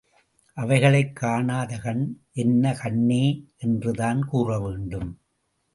அவைகளைக் காணாத கண் என்ன கண்ணே என்றுதான் கூறவேண்டும்.